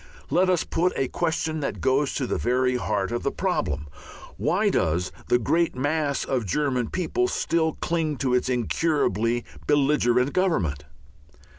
Let us put a question that goes to the very heart of the problem. Why does the great mass of the German people still cling to its incurably belligerent Government?